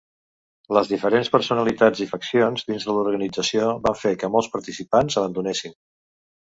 Les diferents personalitats i faccions dins de l"organització van fer que molts participants abandonessin.